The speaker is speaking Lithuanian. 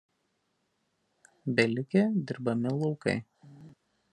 Belikę dirbami laukai.